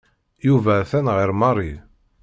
Yuba atan ɣer Mary.